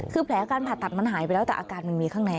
คือแผลการผ่าตัดมันหายไปแล้วแต่อาการมันมีข้างใน